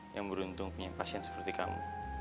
yang beruntung punya pasien seperti kamu